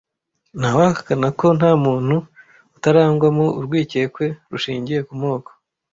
Ntawahakana ko nta muntu utarangwamo urwikekwe rushingiye ku moko.